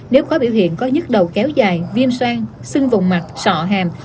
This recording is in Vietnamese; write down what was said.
nếu khóa biểu hiện có nhức đầu kéo dài viêm xoan xưng vùng mặt sọ hàm